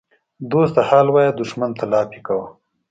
ـ دوست ته حال وایه دښمن ته لافي کوه.